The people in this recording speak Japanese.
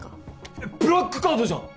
えっブラックカードじゃん！